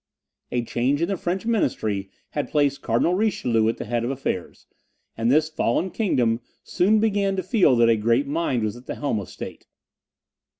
A change in the French ministry had placed Cardinal Richelieu at the head of affairs, and this fallen kingdom soon began to feel that a great mind was at the helm of state.